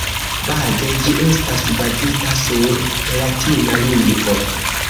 Baze ĝi estas bazita sur latina lingvo.